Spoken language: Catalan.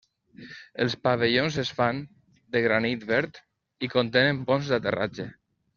Els pavellons es fan de granit verd i contenen ponts d'aterratge.